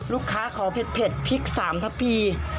ลูกค้าขอเผ็ดพริกสามทะพี